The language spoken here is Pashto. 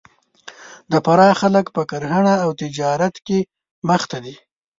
د فراه خلک په کرهنه او تجارت کې مخ ته دي